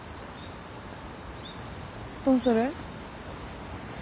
どうする？